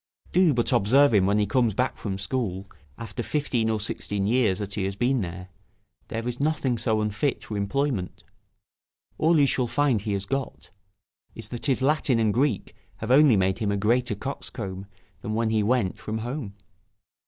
Do but observe him when he comes back from school, after fifteen or sixteen years that he has been there; there is nothing so unfit for employment; all you shall find he has got, is, that his Latin and Greek have only made him a greater coxcomb than when he went from home.